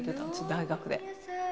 大学で。